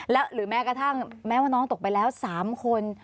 หรือแม้กระทั่งแม้ว่าน้องตกไปแล้ว๓คน